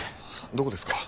どこですか？